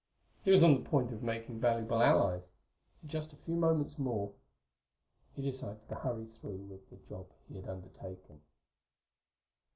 He was on the point of making valuable allies; in just a few moments more ! He decided to hurry through with the job he had undertaken.